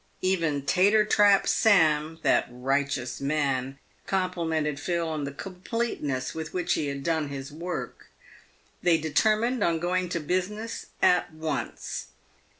Even Tater trap Sam, that "righteous man,"* complimented Phil on the completeness with which he had done his work. They determined on going to business at once.